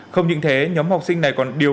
không những thế nhóm học sinh này còn điều